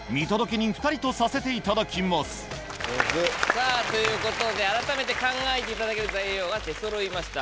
さぁということであらためて考えていただける材料が出そろいました。